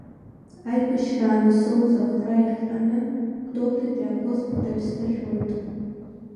Аибашьраан исоуз ахәра иахҟьаны Гәдоуҭатәи агоспиталь сҭашәоит.